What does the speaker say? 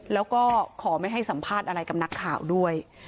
แล้วก็ขอไม่ให้สัมภาษณ์อะไรกับนักข่าวด้วย